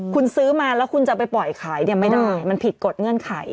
คุณซื้อมาแล้วคุณจะไปปล่อยขายเนี่ยไม่ได้มันผิดกฎเงื่อนไข